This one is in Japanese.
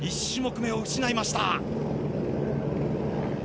１種目めを失いました。